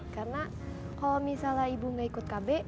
karena kalau misalnya ibu nggak ikut kb